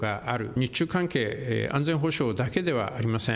日中関係、安全保障だけではありません。